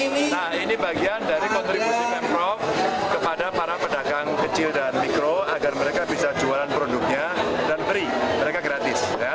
nah ini bagian dari kontribusi pemprov kepada para pedagang kecil dan mikro agar mereka bisa jualan produknya dan beri mereka gratis